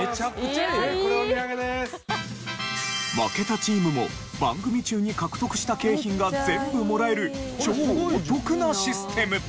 負けたチームも番組中に獲得した景品が全部もらえる超お得なシステム。